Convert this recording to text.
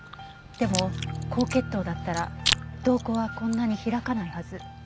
でも高血糖だったら瞳孔はこんなに開かないはず。